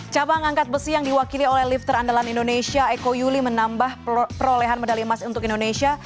cabang angkat besi yang diwakili oleh lifter andalan indonesia eko yuli menambah perolehan medali emas untuk indonesia